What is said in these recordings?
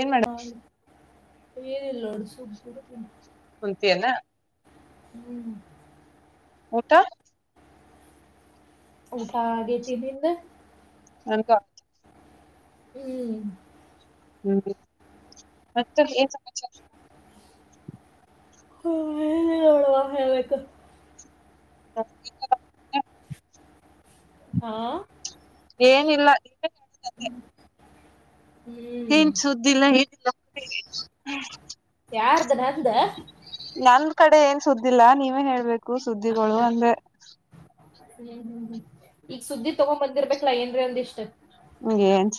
ಏನ್ ಮಾಡ ಹ ರೆ ಎಲ್ಲೋಡು ಸ [inaudible] ಕುಂತಿಯನ ಹ್ಮ್್ಮ ಊಟ. ಊಟ ಆಗೇತಿ ನಿಂದ. ನನಕ ಹ್ಮ್ ಹ್ಮ್ ಮತ್ತ ಸಮಾಚಾರ ಹುವ [inaudible] [inaudible] ಹಾ ಏನಿಲ್ಲ ಹ್ಮ ಏನ್ ಸುದ್ದಿಲ್ಲ ನಿಲ್ಲ. [unintelligible] ಯಾರ್ದ ನಂದ. ನನ್ ಕಡೆ ಏನ್ ಸುದ್ದಿಲ್ಲಾ ನೀವೇ ಹೇಳ್ಬೇಕು ಸುದ್ದಿಗಳು ಅಂದ್ರೆ. ಹ್ಮ್ ಹ್ಮ್ ಹ್ಮ್ ಈಗ ಸುದ್ದಿ ತಗೊಂಡ್ ಬಂದಿರ್ಬೇಕಲಾ ಏನ್ರ ಅಂದ್ ಇಷ್ಟ. ಹ ಏನ್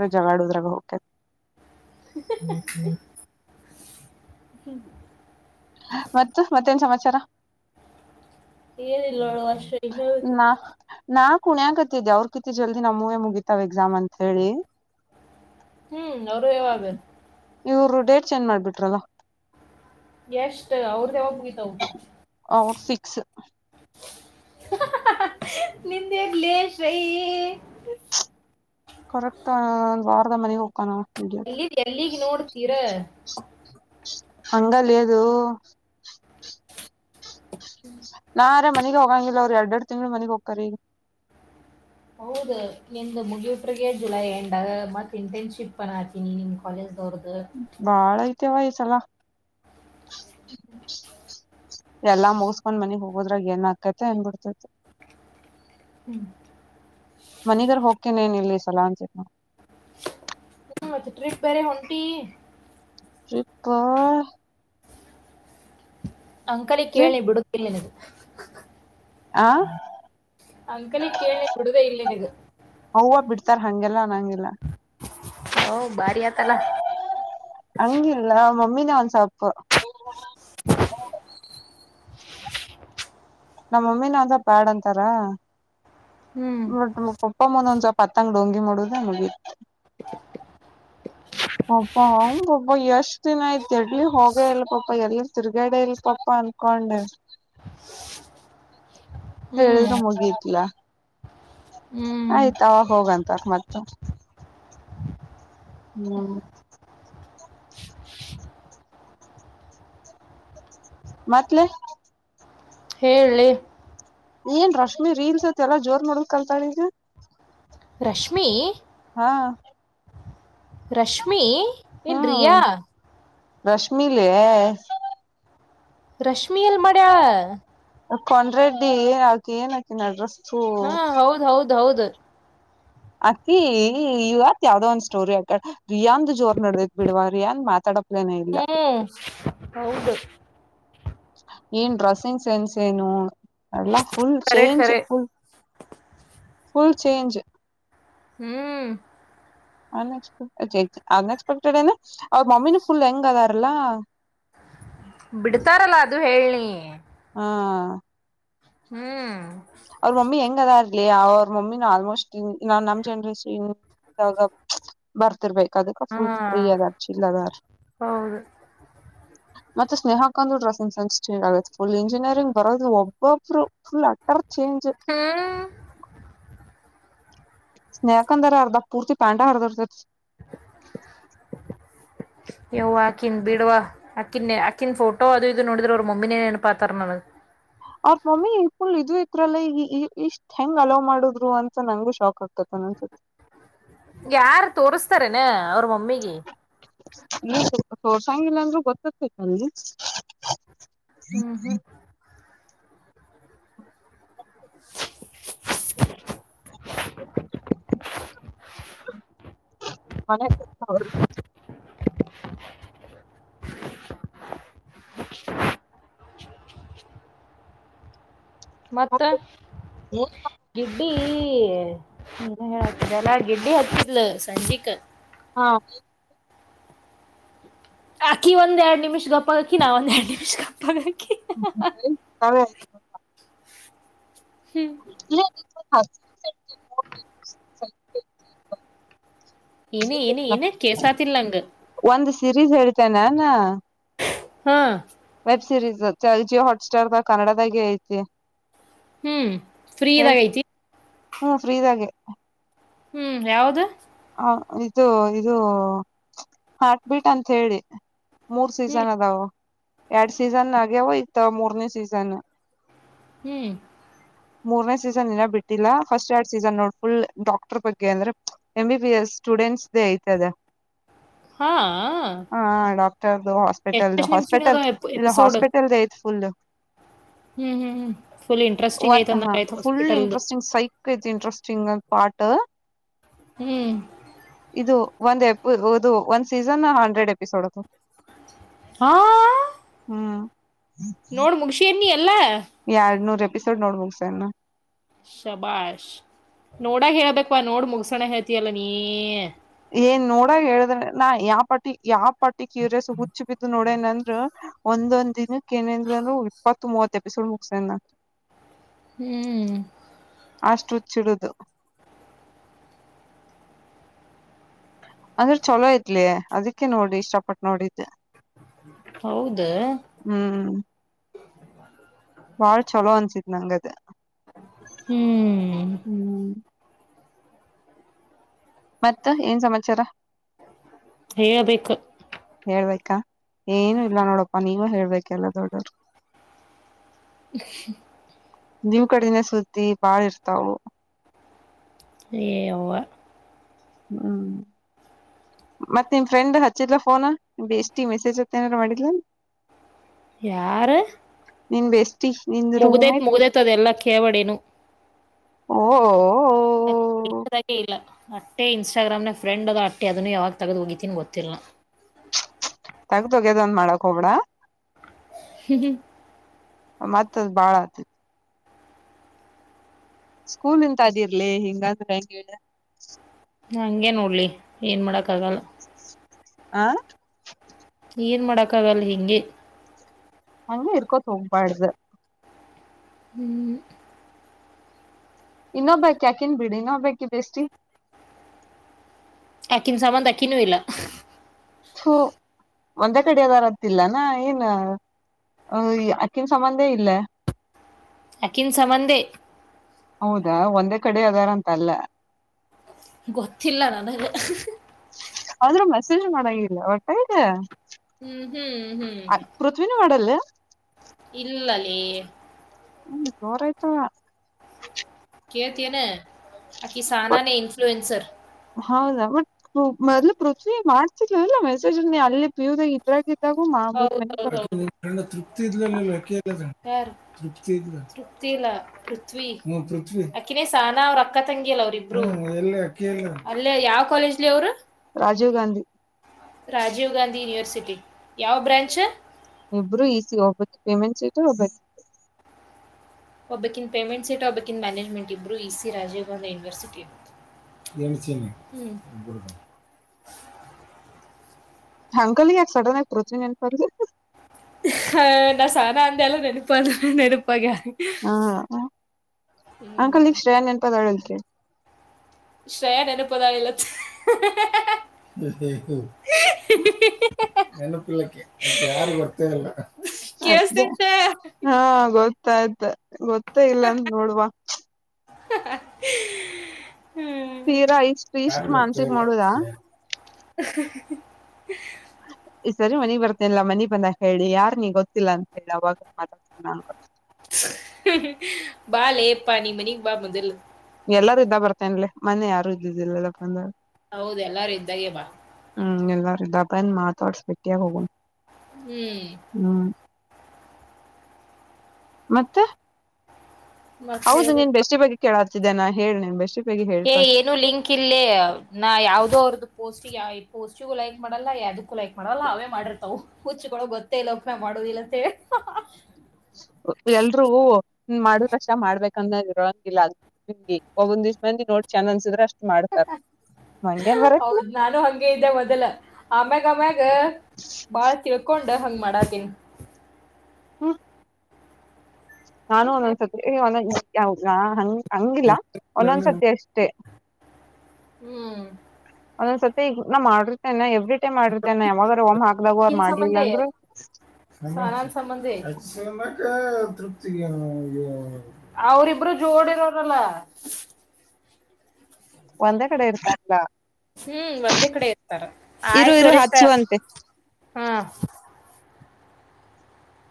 [inaudible] ಜಗಾಡೋದ್ರಾಗ ಹೋಗಕ. ಹ್ಮ ಮತ್ತ ಮತ್ತೇನ್ ಸಮಾಚಾರ. ಏನಿಲ್ಲಳು ಅಷ್ಟ ಇನ್ನೊ ನಾ ನಾ ಕುಣೆಗತ್ತ ಅವರ್ ಕಿತಿ ಜಲ್ದಿ ನಮ್ಮವೆ ಮುಗಿತಾವ್ ಎಕ್ಸಾಮ್ ಅಂತ ಹೇಳಿ [inaudible] ಹ್ಮ್ ಅವರು ಯಾವಾಗ ಇವರು ಡೇಟ್ ಚೇಂಜ್ ಮಾಡ್ಬಿಟ್ರಲ್ಲ ಎಷ್ಟ ಅವ್ರ್ದ ಯಾವ ಮುಗತವು ಅವ್ರ ಫಿಕ್ಸ್ ನಿಂದೆಲೇಶ್ ರಯ [inaudible] ಕರೆಕ್ಟ್ ವಾರದ ಮನೆಗೆ ಹೋಗ್ೋಣ ಹಗೆ ಎಲ್ಲಿ ಎಲ್ಲಿಗ್ ನೋಡ್ತೀರಾ ಹಂಗಲ್ಲಿ ಅದು ನಾ ರೇ ಮನಗ್ ಹೋಗಂಗಿಲ್ಲ ಅವ್ರು ಎರಡ್ ಎರಡು ತಿಂಗಗಳು ಮನೆಗ್ ಹೋಗ್ತಾರಿ ಹೌದು ನಿಂದು ಮುಗಿಯಟಗ ಜುಲೈ ಎಂಡಾಗ ಮತ್ತು ಇಂಟರ್ನ್ಶಿಪ್ನ್ನು ಹಾತೀನಿ ನಿಮ್ಮ ಕಾಲೇಜ್ದವ್ರ್ದು ಬಾಳ ಐತೆವ ಈ ಸಲ ಹ್ಮ್ ಎಲ್ಲಾ ಮುಗಸ್ಕೊಂಡ್ ಮನಗ್ ಹೋಗೋದ್ರಾಗ ಏನ್ ಆಕತೈತೆ ಅನ್ಬಿಡ್ತೈತಿ ಹ್ಮ್ ಮನಗರ್ ಹೋಗ್ತೇನೇನ್ ಇಲ್ಲಿ ಸಲಾ ಅನ್ಸತ ಹ್ಮ ಮತ್ತೆ ಟ್ರಿಪ್ ಬೇರೆ ಹೊಂಟಿ ಶಕ್ಕಾ [inaudible] ಅಂಕಲಿ ಟ್ರಿಪ್ ಕೇಳಿ ಬಿಡುದಿಲ್ಲದು ಆ ಅಂಕಲಿ ಕೇಳಿ ಬಿಡುದ ಇಲ್ಲ ನಿಂಗೆ ಹ್ವ ಬಿಡ್ತಾರ ಹಗೆಲ್ಲ ನಂಗೆಲ್ಲ ಓ ಭಾರಿ ಆತಲ್ಲಾ. ಹಂಗಿಲ್ಲ ಮಮ್ಮಿನ ಒಂದ್ ಸ್ವಲ್ಪು. [inaudible] ನಮ್ಮಮ್ಮಿನೆ ಒಂದ ಸ್ವಲ್ಪ ಆಡ್ ಅಂತಾರ. ಹ್ಮ್ ಬಟ್ ಕೊಪ್ಪ ಮುಂದ್ ಒಂದ್ ಸ್ವಲ್ಪ ಹತ್ತಂಗ್ ಡೊಂಗಿ ಮಾಡುದ ಮುಗೀತು. [inaudible] ಪಪ ಅವ ಪಾಪ ಎಷ್ಟ್ ದಿನ ಆಯ್ತ್ ಎಡ್ಲಿ ಹೋಗೇ ಇಲ್ಲ ಪಾಪ ಎಲ್ಲಿ. ತಿರ್ಗಡೆ ಇಲ್ ಸ್ವಲ್ಪ ಅನ್ಕೊಂಡೆ. ಹ್ಮ್ ಹೇಳಿದ್ರ ಮುಗಿತ್ಲ. ಹ್ಮ್ ಆಯ್ತ್ ಅವಾಗ ಹೋಗಂತ ಅ ಮತ್. ಹ್ಮ್ ಮತ್ ಲೇ. ಹೇಳ ಲೇ. ಏನ್ ರಶ್ಮಿ ರೀಲ್ಸ್ ಅತ್ ಎಲ್ಲ ಜೋರ್ ಮಾಡೋದ್ ಕಾಲ್ತಾಳ ಈಗ. ರಶ್ಮಿ. ಹಾ ರಶ್ಮಿ ಏನ್ ಹ್ಮ್ ರಿಯಾ. ರಶ್ಮಿಲೇ. ರಶ್ಮಿಯಲ್ಲಿ ಮಾಡ್ಯಾಳ. ಕೊಂಡ್ರೆಡ್ಡಿ ಏ ಆಕಿ ಏನ್ [unintelligible] ಹೌದ ಹೌದ ಹೌದು. ಅಕ್ಕಿ ಇವತ್ ಯಾವ್ದೋ ಒಂದ್ ಸ್ಟೋರಿ ಅಕ್ಯಾಳ ರಿಯಾಂದ ಜೋರ್ ನಡದತ್ ಬಿಡವಾ ರಿಯಾನ್ ಮಾತಾಡ ಆಪ್ಲೆ ಹ್ಮ್ ಹೌದು ಏನ್ ಡ್ರೆಸ್ಸಿಂಗ್ ಸೆನ್ಸ್ ಏನು ಎಲ್ಲ ಫುಲ್ ಖರೆ ಚೇಂಜ್ ಖರೆ full. Full change hmm ಅನ್ಎಕ್ಸ್ಪೆಕ್ unexpected ಏನ ಅವ್ರ ಮಮ್ಮಿನ ಫುಲ್ ಯಂಗ್ ಅದಾರಲ್ಲಾ. ಬಿಡ್ತಾರಲ್ಲ ಅದು ಹೇಳ ನಿ. ಹಾ ಹ್ಮ್ ಅವ್ರ ಮಮ್ಮಿ ಹೆಂಗ ಅದ ಇರ್ಲಿ ಅವ್ರ ಮಮ್ಮಿ ಆಲ್ಮೋಸ್ಟ್ ನಾನ್ ನಮ್ ಜನ್ರೇಷನ್ ಅವ್ರು [unintelligible] ಬರ್ತಿರ್ಬೇಕು ಅದಕ್ಕೆ ಹಾ ಫುಲ್ ಫ್ರೀ ಅದರ ಚಿಲ್ ಅದರ. ಹೌದು [inaudible] ಮತ್ತ ಸ್ನೇಹಕ್ಕ ಅಂದ ಡ್ರೆಸಿಂಗ ಸೆನ್ಸ ಚೇಂಜ್ ಆಗೈತೆ ಫುಲ್ ಇಂಜಿನಿಯರಿಂಗ್ ಬರೋದು ಒಬ್ಬೊಬ್ರು ಫುಲ್. ಅವ ಚೇಂಜ್ ಹಾ ಸ್ನೇಹಕ್ಕ ಅಂದರ ಅರ್ದ ಪೂರ್ತಿ ಪ್ಯಾಂಟ ಹರಡಿರ್ತೈತ. [inaudible] ಯವ್ವ ಅಕಿಂದ್ ಬಿಡವ ಅಕ್ಕಿನ ಅಕ್ಕಿನ ಫೋಟೋ ಅದು ಇದು ನೋಡಿದ್ರೆ ಅವ್ರ ಮಮ್ಮಿನೆ ನೆನಪಾತರ ನನಗ್. ಅವ್ರ ಮಮ್ಮಿ ಫುಲ್ ಇದು ಇದ್ರಲ್ಲ ಈ ಇಷ್ಟ. ಹೆಂಗ್ ಅಲೋ ಮಾಡುದ್ರು ಅಂತ ನಂಗೂ ಶಾಕ್ ಆಗ್ತ ಅನ್ಸತ್ತ. ಯಾರು ತೋರ್ಸ್ತಾರೇನಾ ಅವ್ರ ಮಮ್ಮಿಗೆ. ನೀ ಸ್ವಲ್ಪ ತೋರ್ಸಂಗಿಲ್ಲಾಂದ್ರೂ ಗೊತ್ತಗಾತೈತ್ತಲ್ಲ ಲೇ. ಹ್ಮ್ ಹ್ಮ [inaudible] [inaudible] ಮ [unintelligible] [inaudible] ಮತ್ತ ಗಿಡ್ಡಿ ಹ್ಮದೆಲ್ಲ ಗಿಡ್ಡಿ ಹತ್ತಿದ್ಲು ಸಂಜಿಕ್ ಹಾ ಅಕ್ಕಿ ಒಂದೆರಡ್ ನಿಮಿಷ ಗಪ್ಪಾಗಕ್ಕಿ ನಾ ಒಂದ್ ಎರಡ್ ನಿಮಿಷ ಗಪ್ಪಾಗಿ ಹೇ [unintelligible] ಹ್ಮ್ [inaudible] ಇ ಹ [unintelligible] ಏನ ನ ಏನ ಕೇಸಾತಿರ್ಲ್ಲ ಅಂಗಗೆ ಒಂದ್ ಸಿರೀಸ್ ಹೇಳ್ತೇನಾಾನ ಹಾ ವೆಬ್ ಸೀರೀಸ್ ಚಜಿ ಹಾಟ್ ಸ್ಟಾರ್ ಕನ್ನಡದಾಗೆ ಐತಿ ಹ್ಮ್ ಫ್ರೀ ಹೇಳಿ ಇದಾಗ ಐತಿ ಹ್ಮ ಫ್ರೀದಾಗೆ ಹ್ಮ್ ಯಾವ್ದ ಹ ಇದು ಇದು ಹಾರ್ಟಬೀಟ್ ಅಂತ ಹೇಳಿ ಮೂರ್ ಹ್ಮ್ ಸೀಸನ್ ಅದಾವ ಎರಡ್ ಸೀಸನ್ ಆಗ್ಯವ ಇತ್ತ ಮೂರ್ನೇ ಸೀಸನ್ ಹ್ಮ್ ಮೂರ್ನೇ ಸೀಸನ್ ಏ ಬಿಟ್ಟಿಲ್ಲ ಫಸ್ಟ್ ಎರಡ್ ಸೀಸನ್ ನೋಡ್ ಫುಲ್ ಡಾಕ್ಟರ್ ಬಗ್ಗೆ ಅಂದ್ರೆ ಎಂ ಬಿ ಎಸ್ ಸ್ಟೂಡೆಂಟ್ಸ್ ದೇ ಐತದ ಹಾ ಹಾ ಡಾಕ್ಟರ್ದು ಹಾಸ್ಪಿಟಲ್ದು ಎಷ್ಟೆಷ್ಟು ನಿಮಿಷ ಹಾಸ್ಪಿಟಲ್ ಇಲ್ಲ ಎಪಿಸೋಡ್ ಹಾಸ್ಪಿಟಲ್ ಐತ್ ಫುಲ್ [unintelligible] ಹ್ಮ್ ಹ್ಮ್ ಹ್ಮ್ ಫುಲ್ ಒ ಇಂಟ್ರೆಸ್ಟಿಂಗ್ ಐತ್ ಹ ಅಂದಂಗ ಆಯ್ತು ಫು ಹಾಸ್ಪಿಟಲ್ದು ಇಂಟ್ರೆಸ್ಟಿಂಗ್ ಸೈ ಇಂಟ್ರೆಸ್ಟಿಂಗ್ ಪಾಟ್ ಹ್ಮ್ ಇದು ಒಂದ್ ಎಪ ಇದು ಒಂದ್ ಸೀಸನ್ ಹಂಡ್ರೆಡ್ ಎಪಿಸೋಡ್ ಅದು ಹಾ ಹ್ಮ ನೋಡು ಮುಗಶನಿ ಅಲ್ಲ ಎರಡ್ ನೂರ್ ಎಪಿಸೋಡ್ ನೋಡ್ಬು ಸರ್ ನ ಶಬಾಷ್ ನೋಡಾಗ ಹೇಳ್ಬೇಕ ನೋಡ್ ಮುಗಸೋಣ ಹೇಳ್ತಯಲ್ಲ ನೀ ಏನ್ ನೋಡ ಹೇಳಿದ್ರೆ ನಾ ಯಾವ ಪಾಟಿ ಯಾವ ಪಾಟಿ ಕ್ಯೂರಿಯಸ್ ಹುಚ್ಚು ಬಿದ್ದು ನೋಡ ಏನಂದ್ರರು ಒಂದೊಂದ ದಿನಕ್ಕಕ್ ಏನಂದಂದರು ಇಪ್ಪತ್ತು ಮೂವತ್ ಎಪಿಸೋಡ್ ಮುಗಸನ [inaudible] ಹ್ಮ್ ಅಷ್ಟು ಹುಚ್ಚುಡಿತು ಅಂದ್ರೆ ಚಲೋ ತ್ಲಿ ಅದಕ್ಕೆ ನೋಡಿ ಇಷ್ಟಪಟ್ಟು ನೋಡಿದ್ದು ಹೌದ ಹ್ಮ್ ಬಾಳ್ ಚಲೋ ಅನ್ಸಿದ್ ನಂಗದ ಹ್ಮ್ ಹ್ಮ್ ಮತ್ತ ಏನ್ ಸಮಾಚಾರ ಹೇಳಬೇಕು ಹೇಳ್ಬೇಕಾ ಏನು ಇಲ್ಲ ನೋಡಪ್ಪಾ ನೀವ ಹೇಳ್ಬೇಕ ಎಲ್ಲ ದೊಡ್ಡವರು [inaudible] ಇ [unintelligible] ನಿಮ್ ಕಡನೇ ಸುದ್ದಿ ಬಾಳ ಇರ್ತಾವು ಹೆ ಅವವ ಹ್ಮ್ ಮತ್ತತ್ ನಿಮ ಫ್ರೆಂಡ್ ಹಚ್ಚಿಲ್ಲಲಾ ಫೋನ್ ಎಷ್ಟಿ ಮೆಸೇಜ್ ಅತ್ತ ಏನಾರ ಮಾಡಿಲ್ಲ [inaudible] ಯಾರು ನೀನ್ ಬೇಸ್ ಮುಗ್ದೈತ್ ಮುಗ್ದೈತ್ದೆಲ್ಲ ಕೇಳವಡೇನು ಓ ಇದಾಗೆ ಇಲ್ಲ ಅಟ್ಟೆ ಇನ್ಸ್ಟಾಗ್ರಾಮ್ ನ ಫ್ರೆಂಡ್ ಅದ ಅಟ್ಟೆ ಅದನ್ನು ಯಾವಾಗ ತಗದ್ ಹೋಗಿತೀನ ಗೊತ್ತಿಲ್ಲ ನ ತಗ್ದೋಗ್ಯದೊಂದ ಮಾಡಾಕ್ ಹೋಗಬಳಾ ಹ್ಮ ಮತ್ತತ್ದ್ ಬಾಳ ಆತಿತಿ ಸ್ಕೂಲ್ ಇಂತ ಅದಿರ್ಲಿ ಹಿಂಗಂದ್ರ ಹೆಂಗ ಹೇಳ ಹಗೆ ನೋಡ್ಲಿ ಏನ್ ಮಾಡಕ್ಕ ಆಗಲ್ಲ ಆ ಏನು ಮಾಡಕ ಅವೆ ಅಲ್ಲ ಹಿಗೆ ಹಂಗ ಇರ್ಕೋತ್ ಹೋಗ್ಬಾರಡ್ದು ಹ್ಮ್ ಇನ್ನೊಬ್ಬ್ಯಾಕ್ ಯಾಕೆನ್ ಬಿಡಿ ಇನ್ನೊಬ್ ಬ್ಯಾೆ ಬೇಷ್ಟಿ ಆಾಕಿನ ಸಂಬಂಕಿನೂ ಇಲ್ಲ ಹ ಒಂದೇ ಕಡೆದಾರತಿಲ್ಲನಾ ಏನ್ ಹ ಅಕ್ಕಿನ ಸಂಬಂಧೇ ಇಲ್ಲ ಅಕಿನ್ ಸಮಬಂಧೆ ಹೌದಾ ಒಂದೇ ಕಡೆ ಅದಾರ ಅಂತ ಅಲ್ಲ ಗೊತಿಿಲ್ಲಲ ನಾನ ಆದ್ರೂ ಮೆಸೇಜ್ ಮಾಡಂಗಲ್ಲ ಹೊಟ್ಟ ಇದೆ ಹ್ಮ್ ಹ್ಮ್ ಹ್ಮ್ ಹ್ಮ್ ಶವಿನ ಮಾಡಡಲ್ಲ ಇಲ್ಲಲೇ ಹ್ಮ ಜೋರ ಆಯ್ತಾ ಕೇಳ್ತಿಯೇನು ಆಕಿ ಸಹನಾನೆ ಇನ್ಫ್ಲಲುಯನ್ಸರ್ ಹೌದಾ ಬಟ್ ಮೊದ್ಲು ಪೃಥ್ವಿ ಮಾಡ್ತಿಿದಲ್ವಲ್ಲ ಮೆಸೇಜ್ ಅಲ್ಲೇ ಪ್ಯೂರ್ ಆಗಿ ಕತ್ತ ಗುಮಾ ಮು ಹೌದೌದು ತೃಪ್ತಿ ಇದ್ಲ ತೃಪ್ತಿ ತೃಪ್ತಿ ಇಲ್ಲ ಪೃಥ್ವಿ ಪೃಥ್ವಿ ಅಕ್ಕಿನೇ ಸಹನಾ ಅವ್ರ ಅಕ್ಕ ತಂಗಿಯಲ್ಲ ಅವ್ರಿಬ್ರು ಅಲ್ಲೇ ಯಾವ ಕಾಲೇಜ್ಲಿ ಅವರು ರಾಜೀವ್ ಗಾಂಧಿ ರಾಜೀವ್ ಗಾಂಧಿ ಯೂನಿವರ್ಸಿಟಿ ಯಾವ ಬ್ರ್ಯಾಂಚ್ ಇಬ್ಬರು ಈಸಿ ಒಬ್ಬ ಪೇಮೆಂಟ್ ಸ್ರ ಒಬು ಒಬ್ಬಾಕಿ ಪೇಮೆಂಟ್ ಸೀಟ್ ಒಬ್ಬಾಕಿ ಮ್ಯಾನೇಜ್ಮೆಂಟ್ ಇಬ್ಬರು E C Rajiv Gowda university ನಚ ಹಂಗಲ್ ಯಕ ಸಡನ್ ಆಗಿರತತ ನನ್ಪ ಹ ನಾ ಸಹನಾ ಅಂತೆ ಎಲ್ಲ ನೆನಪಲ್ಲ ನೆನಪಾಗ ಹಾ ಅಂಕಲ್ ನಿಕ್ಕ್ಷ್ರೇ ನೆನಪದಂತರಿ ಶ್ರಯನ್ ನನಪದಾಲ್ಲ ನೆನಪಿಲ್ಲಕ್ಕೆ ಮ ಯಾರಿಗ ಬರ್ತೇ ಇಲ್ಲ ಅದೇ ಕೇಳಿಸ್ತೇನೆ ಶ್ರೇಯ ಹಾ ಗೊತ್ತಾಯ್ತ ಗೊತ್ತೇ ಇಲ್ಲ ಅಂದ ನೋಡ್ವಾ [inaudible] ತೀರಾ ಇಷ್ಟು ಇಷ್ಟ್ ಮಾನ್ಸಕ್ ಮಾಡುದ ಹ ಈ ಸರಿ ಮನಿ ಬರ್ತನಲ್ಲ ಮನಿ ಬಂದ ಹೇಳಿ ಯಾರ್ ನೀ ಗೊತ್ತಿಲ್ಲ ಅಂತ ಹೇಳಿ ಅವವಾಗ ಮಾತಾಡ್ತೀಿ ನನ್ ಬಾ ಲೇಪ್ಪ ನೀ ಮನಿ ಬಾ ಮಜಲ್ ಎಲ್ಲಾರೂ ಇದ್ದ ಬರ್ತೇನ್ಮನೆೆ ಯಾರು ಇದ್ದುದಿಲ್ಲಲ್ಲಪ್ಪಂದ ಹೌದು ಎಲ್ಲಾರೂ ಇದ್ದಾಗ ಬಾ ಹ್ಮ್ ಎಲ್ಲ ಇದಪನ್ ಮಾತಾಡ್ಸಿೆಟ್ಟಿಯಾಗಿ ಹೋಗಣ ಹ್ಮ್ ಹ್ಮ್ ಮತ್ತೆ ಮತ್ತೆ ಹೌದು ಹೇಳ್ಬೇಕು ನೀನ್ ಬೆಸ್ಟಿ ಬಗ್ಗೆ ಕಳಾತೇಾನ ಹೇಳಿೇನ್ ಬೆಸ್ ಏ ಏನು ಲಿಂಕ್ ಇಲ್ಲಿ ನಾ ಯಾವ್ದೋ ಅವರ್ದು ಪೋಸ್ಟ್ ಯ ಪೋಸ್ಟಿಗ ಲೈಕ್ ಮಾಡಲ್ಲ ಯದಕ್ಕೂ ಲೈಕ್ ಮಾಡಲ್ಲ ಅವೇ ಮಾಡಿರ್ತಾವ ಹುಚ್ಚಕೊಳ್ಳ ಗೊತ್ತ ಇಲ್ಲ ಉಪಮಯ ಮಾಡುದಿಲ್ಲ ಅಂತ ಹೇಳ ಎಲ್ರೂ ಮಾಡುದ ರಷ ಮಾಡ್ಬೇಕಂದ ಇರೋಂಗಿಲ್ಲ ಅ ನಿಮ್ಗೆ ಒಂದ ದಿವ್ಸಂದ ನೋಡ್ ಚೆ ಅನ್ಸಿದ್ರ ಅಷ್ಟ ಹಾ ಹೌದ್ ನಾನು ಹಂಗಗೆ ಇದ್ದೆ ಮೊದಲ ಆಮ್ಯಾಗ ಆಮ್ಯಾಗ ಬಾಳ ತಿಳ್ಕೊಂಡು ಹಂಗ್ ಮಾಡಾಕೀನಿ ಹ್ಮ್ ನಾನು ಒಂದೊಂದ್ಸತಿ ಒಂದ ಯಾವ ಹಂಗ ಹಂಗಿಲ್ಲ ಒಂದೊಂದ್ಸತಿ ಅಷ್ಟೆ ಹ್ಮ್ ಒಂದೊಂದ್ ಸತಿ ಈಗ ನಾ ಮಾಡಿರ್ತೇನೆ ಎವ್ರಿ ಟಮ್ ಮಾಡಿರ್ತೇನೆ ಯಾವಾಗಾರ ಒಮ್ಮ್ ಹಾಕ್ದಾಗ ಅವರ್ ಮಾಡ್ಲಿಲ್ಲ ಅಂದ್ರರು ಬಂಧಿಮ ತೃಪ್ತಿಗೆನು ಅವ್ರಿಬ್ರು ಜೋಡಿರೋ್ರಲ್ಲ ಒಂದ ಕಡೆ ಇತಾ ಹ್ಮ್ ಒಂದೇ ಕಡೆ ಇರ್ತಾರ ಇರು ಇರು ಆಯ್ತು ಹಚ್ಚುವಂತೆ ಹ್ಮ